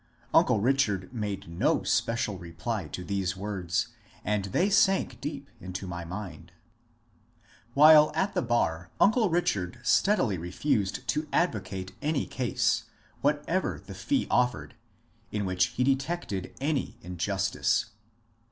" Uncle Richard made no special reply to these words, and they sank deep into my mind. While at the bar uncle Richard steadily refused to advo cate any case, whatever the fee offered, in which he detected any injustice.